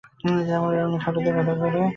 আমার অনেক হাঁটুতে অনেক ব্যথা করে।